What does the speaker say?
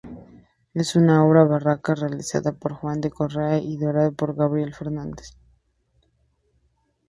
Es una obra barroca realizada por Juan de Correa y dorada por Gabriel Fernández.